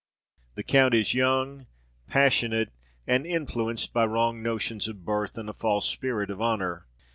The count is young, passionate, and influenced by wrong notions of birth and a false spirit of honour.